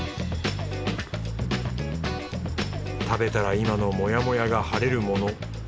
食べたら今のモヤモヤが晴れるもの。